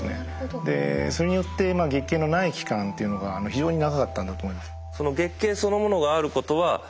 でそれによって月経のない期間っていうのが非常に長かったんだと思います。